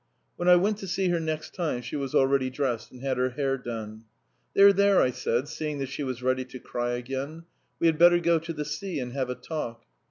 When I went to see her next time she was already dressed and had her hair done. "There, there," I said, seeing that she was ready to cry again. "We had better go to the sea and have a talk."